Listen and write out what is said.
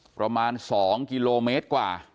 ประมาณ๒กิโลเมตรกว่า